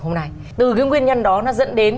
hôm nay từ cái nguyên nhân đó nó dẫn đến